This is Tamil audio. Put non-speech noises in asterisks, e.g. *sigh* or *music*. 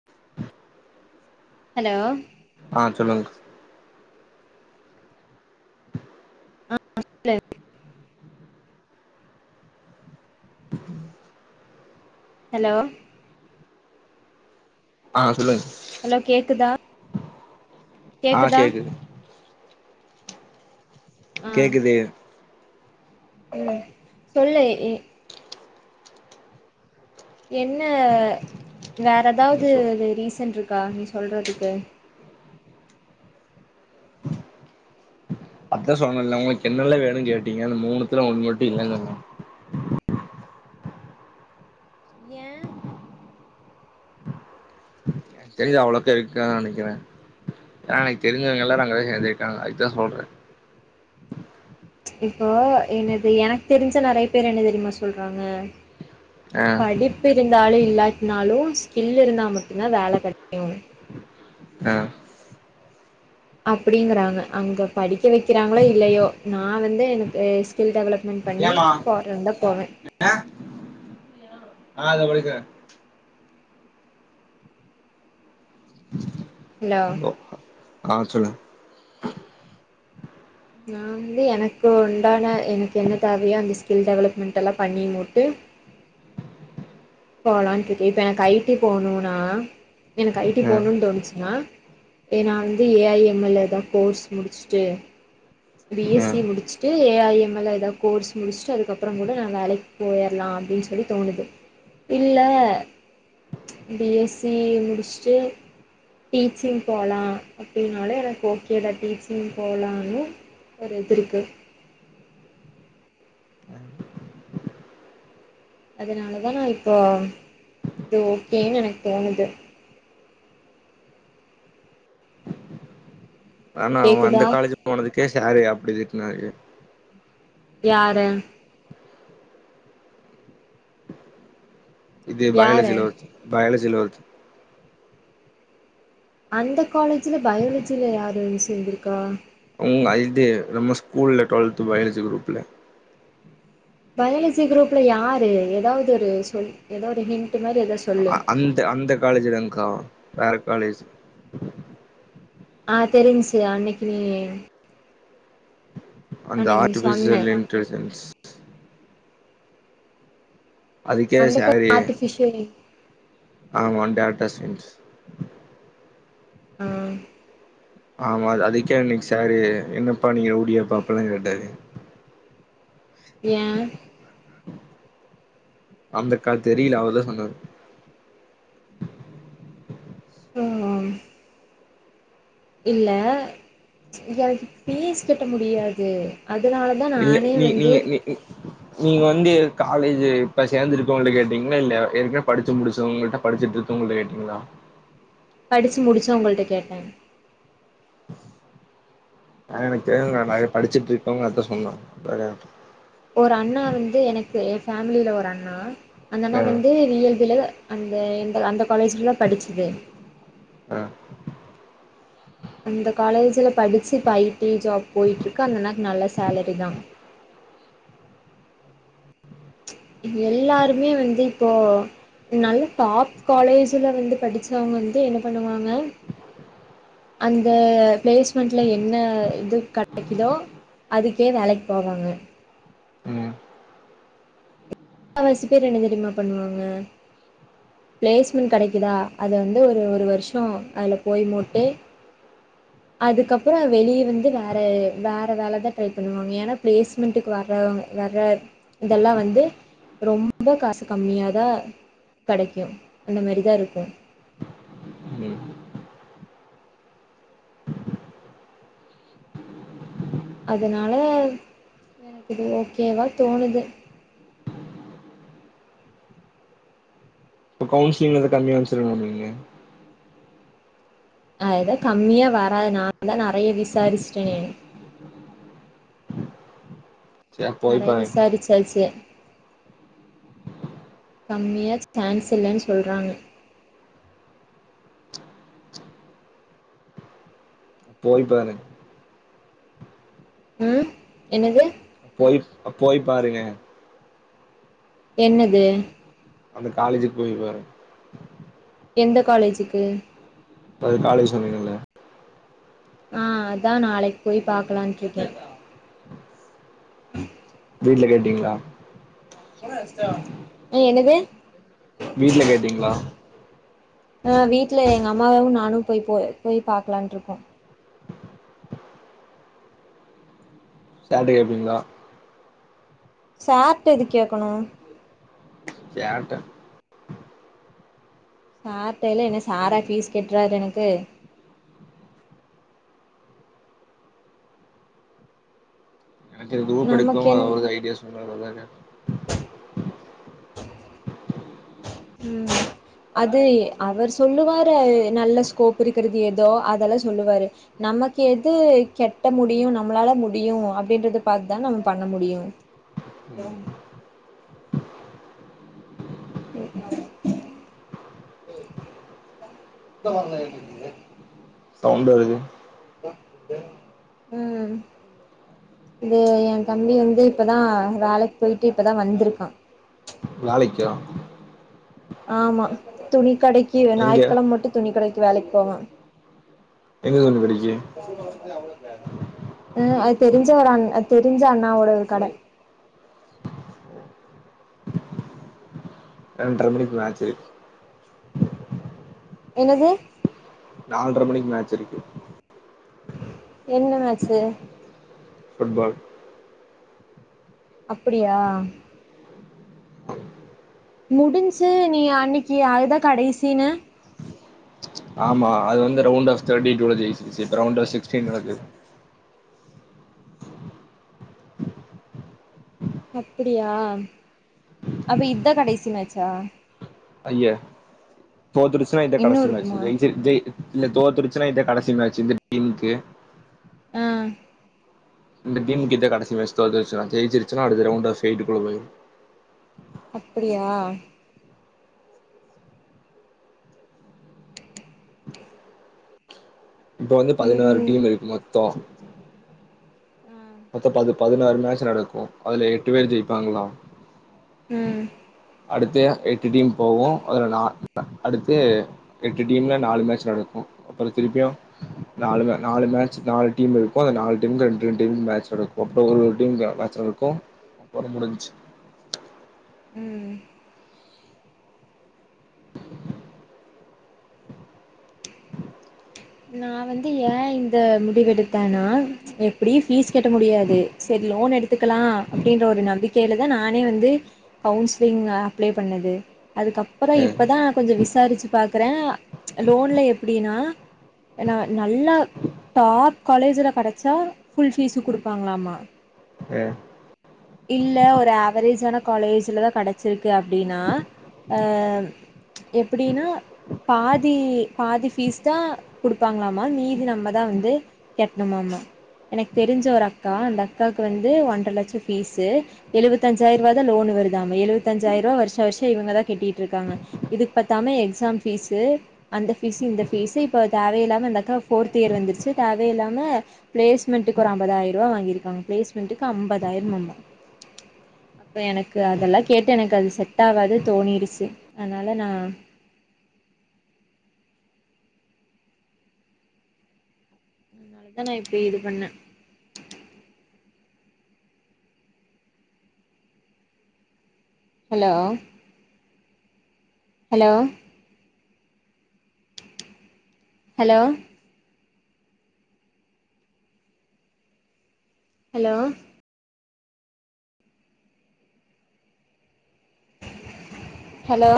*inaudible* ஹலோ ஆ சொல்லுங்க ஆ *inaudible* ஹலோ ஆ சொல்லுங்க ஹலோ கேக்குதா ஆ கேக்குதா கேக்குது ஆ கேக்குது ம் சொல்லு யி என்ன வேற எதாவது சொ இது ரீசன்் ருக்கா நீ சொல்றதுக்கு அதான் சொன்னுல உங்களுக்கு என்னெல்ல வேணும் கேட்டீங்க அந்த மூணுத்துல ஒன் மட்டும் இல்லெனு சொன்னேங்க ய செரிஅவ்வளோ இருக்கான் நினைக்கிறேன் எனனைக்கு *inaudible* தெரிஞ்சவங்கல்லாம் நாங்கத சேர்ந்தக்காங்க அதுக்குதான் சொல்றேன் இப்போ என்னது எனக் தெரிஞ்ச நெறைய பேர் என்ன தெரியுமா சொல்றாங்க ஆ படிப்பு இருந்தாலும் இல்லாட்னாலும் ஸ்கில் இருந்தா மட்டும்தான் வேல கடைக் ஆ அப்படிங்கிறாங்க அவுங்க படிக்க வைக்கிறாங்களோ இல்லையோ நான் வந்து எனக்கு ஸ்கில் டெவலப் மெண்ட் பண்ணி ஏமா போற இருந்தா போவ ஆ ஆ படிக்க *inaudible* ஹலோ ஆ சொல்லு நா வந்து எனக்கு உண்டான எனக்கு என்ன தேவையோ அந்த ஸ்கில் டெவலப்மெண்ட்டெல்லா பண்ணி முட்டு போலான்ட் ருக் இப்ப எனக்கு ஐடி போணுனா எனக்கு ஐடி ஆ போணுன்னு தோணுச்சினா ஏ நா வந்து ஏஐஎம்எல்ல எதா கோர்ஸ் முடிசுட்டு ஆ பிஎஸ்சி முடிச்சுட்டு ஏஐஎம்எல்ல ஏதாவது கோர்ஸ் முடுச்சுட்டு அதுக்கப்புறம் கூட நான் வேலைக் பேயிரலாம் அப்டின்னு சொல்லி தோணுது இல்ல பிஎஸ்சி முடிச்சுட்டு டீச்சிங் போலாம் அப் டினாலே எனக்கு ஓகேல டீச்சிங் போலானனு வது எது இருக்கு அதனாலதான் இப்போ இது ஓகேன்னு எனக்கு தோணுது ஆனா அவன் கேக்குதா அந்த காலேஜ் போனதுக்கே சாரு அப்டி திட்னாறு யார இது யாரு பயாலஜில ஒர்த் பயாலஜில ஒர்த் அந்த காலேஜில பயாலஜில யாரு சேந்துருகா ம் *unintelligible* நம்ம ஸ்கூல்ல டுவல்த் பயாலஜி குரூப்ல பயாலஜி குரூப்ல யாரு எதாவது ஒரு சொல் எதாவது ஒரு ஹிண்ட் மாரி எதோ சொ அந்த அந்த காலேஜ் ல்லங்கா வேற காலேஜ் ஆ தெரிஞ்சி அன்னக்கி அந்த நீ சொன்ன ஆர்டிபிசியல் இன்டெலிஜென்ஸ் அதுக்கே அந்த ப சாரு ஆர்ட்டிபிஷியல் ஆமா டாக்டர் சென்ஸ் ம் ஆமா அது அதுக்கே அன்னக் சாரு என்னப்பா நீங்க ரௌடியாப்பா அப்பில்லா கேட்டாரு ஏ அந்தகால் தெரியல அவர் தா சொன்னாரு ம் ம் இல்ல எனக்கு பீஸ் கட்ட முடியாது அதுனாலதா இல்ல நானே நீ நீ வந்து நீ நீ- நீங்க வந்து காலேஜ் இப்ப சேந்துருக்கவுங்கள்ட்ட கேடீங்ளா இல்ல ஏற்கனவே படுச்சு முடுச்சவங்கிட்ட படுச்சுட் இரு கவுங்கள்ட்ட கேடீங்ளா படுச்சு முடுச்சவுங்கள்ட்ட கேட்டே ஆ எனக்கு தெர்ல நா எ படுச்சுட் இருக்கவுங்க அத்த சொன்னா பெறகு ஒரு அண்ணா வந்து எனக்கு எ ஃபேம்லீல ஒரு அண்ணா அந்த அண்ணா ஆ வந்து டி எல் பில அந்த எந்த அந்த காலேஜ்ல தா படுச்சது அ அந்த காலேஜுல படுச்சு இப்ப ஐ டி ஜாப் போயிட்ருக்கு அந்த அண்ணாக்கு நல்ல சாலரி தா எல்லாருமே வந்து இப்போ நல்ல டாப் காலேஜுல வந்து படுச்சவுங்க வந்து என்ன பண்ணுவாங்க அந்த பிளேஸ்மண்ட்ல என்ன இது கடைகுதோ அதுக்கே வேலைக் போவாங்க ம் முக்காவாசி பேர் என்ன தெரியுமா பண்ணுவாங்க பிளேஸ்மண்ட் கெடைக்கிதா அது வந்து ஒரு ஒரு வருஷோ அதுல போய் மோட்டு அதுக்கு அப்பறோ வெளிய வந்து வேற வேற வேலதா ட்ரை பண்ணுவாங்க ஏனா பிளேஸ் மண்ட்க்கு வர்றவ் வர்ற இதல்லா வந்து ரொம்ப காசு கம்மியாதா கெடைக்கு அந்த மாரி தா இருக்கு ம் அதுனால எனக்கு இது ஓகேவா தோணுது இப்ப கவ்ன்சிலிங்ல இது கம்மியா வந்துச்சுனா என்ன பண்ணுவீங்க அதுதா கம்மியா வராது நா தா நெறைய விசாருஸ்டே சரி போய் நெறைய பாருங்க விசாருச்சாச்சு கம்மியா சான்ஸ் இல்லன் சொல்றாங்க போய் பாருங் ம் என்னது போய் போய் பாருங்க என்னது அந்த காலேஜுக்கு போய் பாருங் எந்த காலேஜுக்கு இப்ப காலேஜ் சொன்னீங்கல்ல ஆ அதா நாளேக் போய் பாக்கலான்ட்ருக்கே வீட்ல கேட்டீங்ளா ஏ என்னது வீட்ல கேட்டீங்ளா ஆ‌ வீட்ல எங்க அம்மாவு நானு போய் போ போய் பாக்கலான்ருக்கோ சார்ட்ட கேப்பீங்ளா சார்ட எதுக் கேகணு கேட்டே பாத்தேல என்ன சாரா ஃபீஸ் கட்றாரு எனக்கு எனக்கு எதுவு நமக்கு பிடிக்குமோ அது என் அவருத ஐடியா சொன் *inaudible* ம் அது அவர் சொல்லுவாரு நல்ல ஸ்கோப் இருக்கிறது ஏதோ அதெல்லா சொல்லுவாரு நமக்கு எது கெட்ட முடியு நம்மளால முடியு அப்டின்றத பாத்துதா நம் பண்ண முடியு ம் *unintelligible* சவுண்டு வருது ம் இது என் தம்பி வந்து இப்பதா வேலைக்கு போயிட்டு இப்பதா வந்திருக்கா வேலைக்கா ஆமா துணி கடைக்கு எங்க ஞாயித்து கிழம மட்டு துணி கடைக்கு வேலைக்கு போவா எங்க *unintelligible* ம் அது தெரிஞ்ச ஒரு அண் தெரிஞ்ச அண்ணாவோட ஒரு கட ரெண்டர மணிக்கு மேட்சு என்னது நால்ர மணிக்கு மேட்ச் இருக்கு என்ன மேச்சு ஃபுட் பால் அப்டியா முடிஞ்சு நீ அன்னைக்கு அது தா கடைசினு ஆமா அது வந்து ரவுண்ட் ஆப் தர்டிடுல ஜெயிச்சுச்சு இப்ப ரவுண்ட் ஆப் சிக்ஸ்டி நடக்குது அப்பிடியா அப்ப இது தா கடைசி மேட்சா அய்ய தோத்துருச்சுன்னா இது தா இன்னு கடைசி மேட்சு இருக்குமா ஜெயிச்சுருச் ஜெய் இல்ல தோத்துருச்சுனா இதுதா கடைசி மேட்சு இந்த டீமுக்கு ஆ இந்த டீமுக்கு இதா கடைசி மேச்சு தோத்துருச்சுனா ஜெயிச்சுருச்சுனா அடுத்த ரவுண்டு ஸ்டேய்டுகுள்ள போயிடு அப்டியா இப்ப வந்து பதினாறு ம் டீம் இருக்கு மொத்தோ ஆ மொத்த பது பதினாறு மேட்சு நடக்கு அதுல எட்டு பேர் ஜெயிப்பாங்களா ம் அடுத்து எட்டு டீம் போவோ அதுல நா ப்பே அடுத்து எட்டு டீம்ல நாலு மேட்ச் நடக்கு அப்பற திருப்பியு நாலு நாலு மேட்சு நாலு டீம் இருக்கு அந்ந நாலு டீமுக்கு ரெண்டு ரெண்டு இ மே சொடக்கு அப்றோ ஒரு டீம் யாராச்சு இருக்கு அப்றோ முடிஞ்ச்சு ம் நா வந்து ஏ இந்த முடிவு எடுத்தேனா எப்டி ஃபீஸ் கெட்ட முடியாது செரி லோன் எடுத்துக்கலா அப்டின்ற ஒரு நம்பிக்கேலதா நானே வந்து கவுன்சிலிங் அப்ளே பண்ணது அதுக்கப்பறோ ஆ இப்பதா கொஞ்சோ விசாரிச்சு பாக்குறே லோன்ல எப்டினா ஏனா நல்லா டாப் காலேஜில கெடச்சா ஃபுல் ஃபீஸு குடுப்பாங்களாமா ஆ இல்ல ஒரு ஆவரேஜான காலேஜ்ல தா கெடச்சிருக்கு அப்டினா அ எப்டினா பாதி பாதி ஃபீஸ் தா குடுப்பாங்களாமா மீதி நம்ம தா வந்து கெட்ணுமாமா எனக்கு தெரிஞ்ச ஒரு அக்கா அந்த அக்காக்கு வந்து ஒன்றர லட்சம் பீஸு எழுபத்தஞ்சாயி ரூபா தா லோன் வருதாமா எழுத்தஞ்சாயி ரூபா வருஷ வருஷ இவங்கதா கெட்டிட்டு இருக்காங்க இதுக்கு பத்தாம எக்ஸாம் பிஸு அந்த ஃபீஸு இந்த ஃபீஸு இப்ப தேவையில்லாம இந்த அக்கா போர்த் இயர் வந்துருச்சு தேவையில்லாம பிளேஸ்மெண்ட்டுக்கு ஒரு அம்பதாயிரம் ரூபா வாங்கியிருக்காங்க பிளேஸ்மெண்ட்டுக்கு அம்பதாயிரமமா அப்போ எனக்கு அதெல்லா கேட்டு எனக்கு அது செட் ஆகாது தோணிடுச்சு அதனால நா அதா நா இப்ப இது பண்ணே hello hello hello hello hello